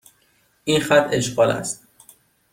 این خط اشغال است.